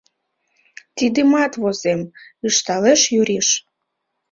— Тидымат возем! — ышталеш Юриш.